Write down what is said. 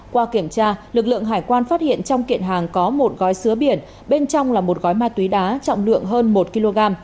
qua kiểm tra lực lượng hải quan phát hiện trong kiện hàng có một gói sứa biển bên trong là một gói ma túy đá trọng lượng hơn một kg